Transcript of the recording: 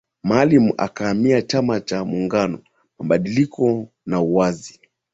Maalim akahamia chama cha muungano mabadiliko na uwazi